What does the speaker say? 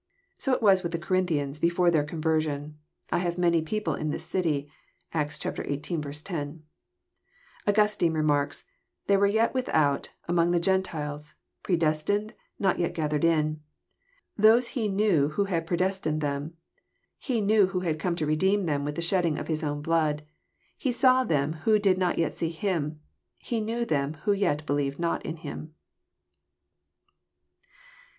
So it was with the Corinthians before their conver sion :" I have much people In this city." (Acts xviii. 10.) Augustine remarks: "They were yet without, among the Gentiles, predestinated, not yet gathered in. These He knew who had predestinated them: He knew who had come to re deem them with the shedding of His own blood. He saw them who did not yet see Him: He knew them who yet believed not in Him."